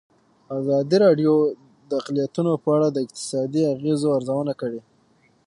ازادي راډیو د اقلیتونه په اړه د اقتصادي اغېزو ارزونه کړې.